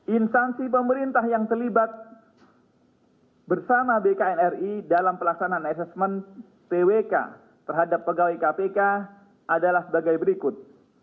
instansi pemerintah yang terlibat bersama bknri dalam pelaksanaan asesmen twk terhadap pegawai kpk adalah sebagai berikut